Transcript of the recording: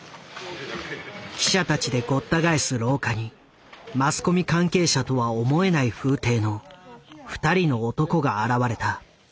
記者たちでごった返す廊下にマスコミ関係者とは思えない風体の２人の男が現れた。